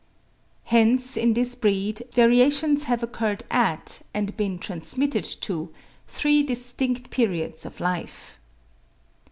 ii. p. 77.) Hence in this breed variations have occurred at, and been transmitted to, three distinct periods of life.